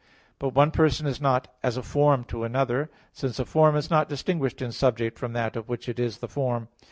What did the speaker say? But one person is not as a form to another; since a form is not distinguished in subject from that of which it is the form.